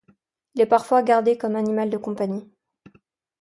Il est parfois gardé comme animal de compagnie.